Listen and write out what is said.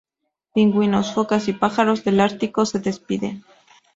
Pingüinos, focas y pájaros del Ártico se despiden.